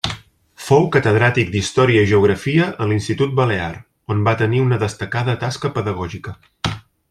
Fou catedràtic d'Història i Geografia a l'Institut Balear, on va tenir una destacada tasca pedagògica.